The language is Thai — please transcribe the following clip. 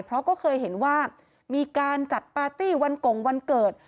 เพราะก็เคยเห็นว่ามีการจัดปาร์ตี้วันกงวันเกิด